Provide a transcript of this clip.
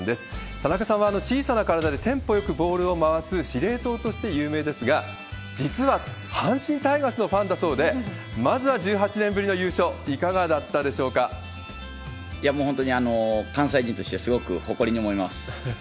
田中さんは、小さな体でテンポよくボールを回す司令塔として有名ですが、実は阪神タイガースのファンだそうで、まずは１８年ぶりの優勝、いや、もう本当に、関西人としてすごく誇りに思います。